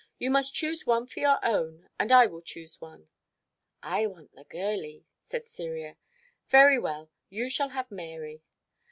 You must choose one for your own, and I will choose one." "I want the girlie," said Cyria. "Very well, you shall have Mary."